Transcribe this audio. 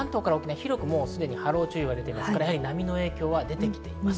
広くすでに波浪注意報が出ていますから、波の影響は出てきています。